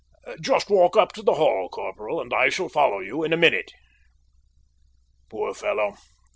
Just walk up to the Hall, Corporal, and I shall follow you in a minute." "Poor fellow!"